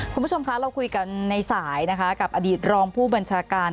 คุณผู้ชมคะเราคุยกันในสายนะคะกับอดีตรองผู้บัญชาการ